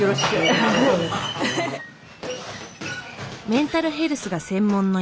メンタルヘルスが専門の医師。